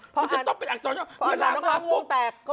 มันจะต้มเป็นอักษรเวลามาปุ๊บ